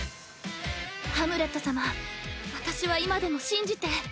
ハムレット様私は今でも信じて。